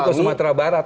ke sumatera barat